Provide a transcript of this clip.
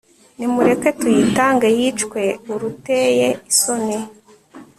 nimureke tuyitange yicwe uruteye isoni